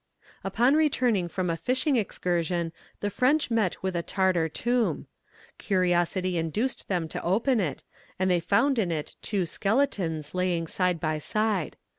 Upon returning from a fishing excursion the French met with a Tartar tomb. Curiosity induced them to open it, and they found in it two skeletons, lying side by side.